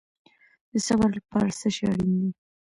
د صبر لپاره څه شی اړین دی؟